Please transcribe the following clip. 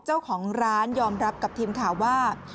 เจ้าของร้านยอมรับกับทีมข่าวว่า